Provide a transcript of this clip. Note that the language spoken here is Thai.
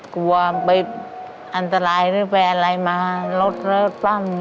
กลัวไปอันตรายแล้วอะไรป้าลไว้มารถสร้ง